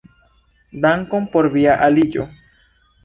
Dankon por via aliĝo!